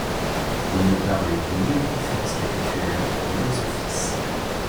Il ne parut ni aux conférences capitulaires, ni aux offices.